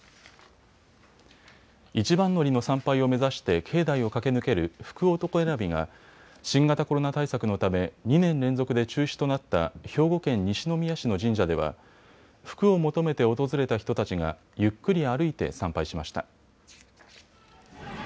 一番乗りの参拝を目指して境内を駆け抜ける福男選びが新型コロナ対策のため２年連続で中止となった兵庫県西宮市の神社では福を求めて訪れた人たちがゆっくり歩いて参拝しました。